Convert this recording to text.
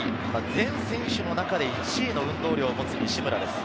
全選手の中で１位の運動量持つ西村です。